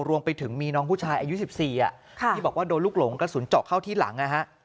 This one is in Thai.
รวมไปถึงมีน้องผู้ชายอายุ๑๔ที่บอกว่าโดนลูกหลงกระสุนเจาะเข้าที่หลังนะฮะ